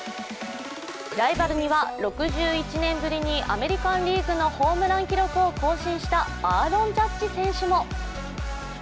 ライバルには６１年ぶりにアメリカンリーグのホームラン記録を更新したアーロン・ジャッジ選手も。